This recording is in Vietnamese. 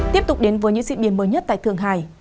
tiếp tục đến với những diễn biến mới nhất tại thượng hải